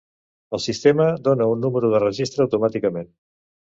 El sistema dona un número de registre automàticament.